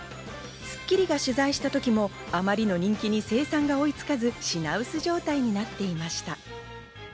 『スッキリ』が取材した時もあまりの人気に生産が追いつかず、品薄状態になっていました。